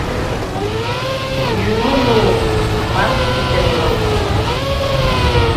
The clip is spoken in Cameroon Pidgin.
You no know oo man fit get lucky.